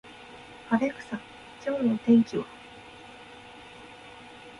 アレクサ、今日の天気は